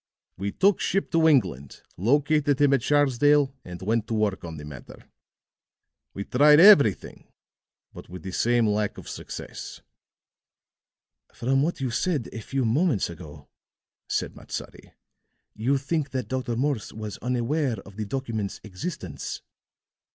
"We took ship to England, located him at Sharsdale, and went to work on the matter. We tried everything, but with the same lack of success." "From what you said a few moments ago," said Matsadi, "you think that Dr. Morse was unaware of the document's existence."